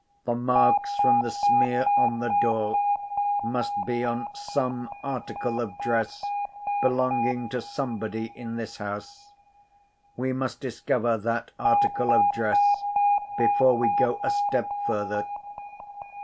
The marks from the smear on the door must be on some article of dress belonging to somebody in this house. We must discover that article of dress before we go a step further."